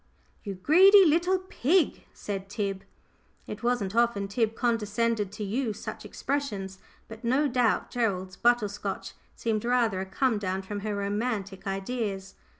"You greedy little pig!" said Tib. It wasn't often Tib condescended to use such expressions, but no doubt Gerald's butter scotch seemed rather a come down from her romantic ideas.